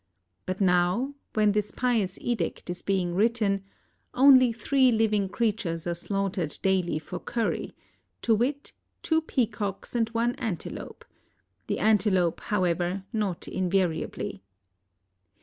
But now, when this pious edict is being written, only three living creatures are slaughtered [daily] for curry, to wit, two peacocks and one antelope — the antelope, however, not invariably.